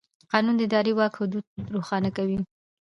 قانون د اداري واک حدود روښانه کوي.